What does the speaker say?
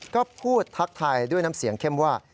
ก็พูดทักทายด้วยน้ำเสียงเข้มว่า